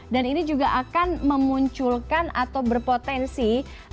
dan ini juga akan memunculkan atau berpotensi